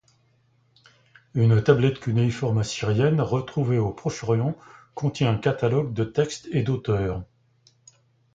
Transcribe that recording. Une tablette cunéiforme assyrienne retrouvée au Proche-Orient contient un catalogue de textes et d'auteurs.